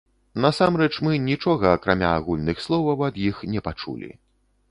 Насамрэч, мы нічога, акрамя агульных словаў, ад іх не пачулі.